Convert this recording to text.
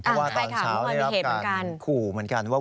ชาวได้รับการขู่เหมือนกันว่า